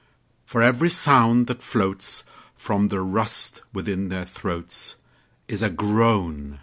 For every sound that floatsFrom the rust within their throatsIs a groan.